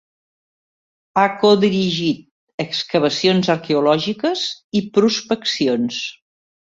Ha codirigit excavacions arqueològiques i prospeccions.